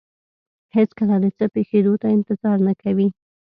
هېڅکله د څه پېښېدو ته انتظار نه کوي.